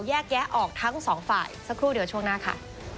แยกแยะออกทั้งสองฝ่ายสักครู่เดียวช่วงหน้าค่ะ